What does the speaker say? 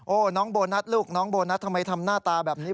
น้องโบนัสลูกน้องโบนัสทำไมทำหน้าตาแบบนี้